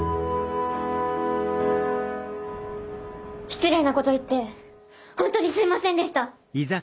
失礼なこと言って本当にすいませんでした。